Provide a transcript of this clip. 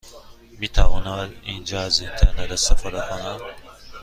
می توانم اینجا از اینترنت استفاده کنم؟